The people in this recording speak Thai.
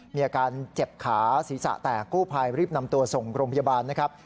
มีอาการเจ็บขาศีรษะแตกกู้ภัยรีบนำตัวส่งโรงพยาบาลนะครับ